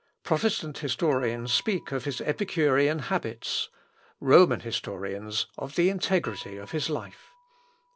Protestant historians speak of his epicurean habits Roman historians of the integrity of his life.